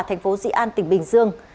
thành phố dị an tỉnh bình dương